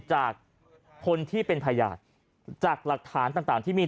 จากคนที่เป็นพยานจากหลักฐานต่างที่มี